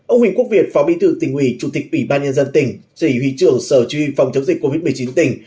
ông huỳnh quốc việt phó bị thượng tỉnh ủy chủ tịch ủy ban nhân dân tp hcm chỉ huy trưởng sở chủ y phòng chống dịch covid một mươi chín tỉnh